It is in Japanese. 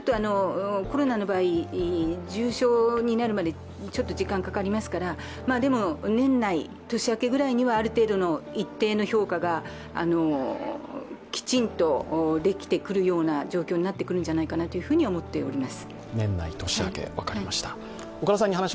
コロナの場合、重症になるまでちょっと時間がかかりますから、でも、年内、年明けぐらいにはある程度の一定の評価がきちんとできてくるような状況になってくるんじゃないかと思っております。